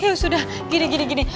yaudah gini gini gini